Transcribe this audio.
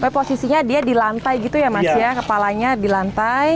tapi posisinya dia di lantai gitu ya mas ya kepalanya di lantai